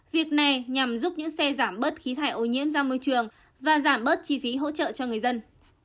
việc này nhằm giúp những xe giảm bớt khí thải ô nhiễm ra môi trường và giảm bớt chi phí hỗ trợ cho người dân